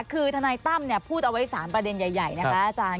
คือทนายตั้มพูดเอาไว้๓ประเด็นใหญ่นะคะอาจารย์